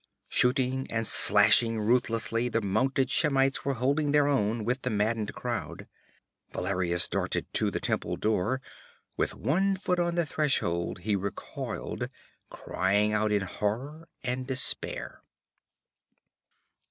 Shooting and slashing ruthlessly, the mounted Shemites were holding their own with the maddened crowd. Valerius darted to the temple door with one foot on the threshold he recoiled, crying out in horror and despair.